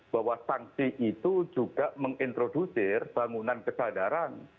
bahwa sanksi itu juga mengintrodusir bangunan kesadaran